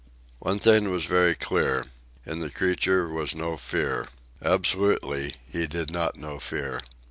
One thing was very clear. In the creature was no fear. Absolutely, he did not know fear.